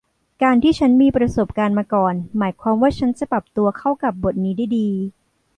การที่ฉันมีประสบการณ์มาก่อนหมายความว่าฉันจะปรับตัวเข้ากับบทนี้ได้ดี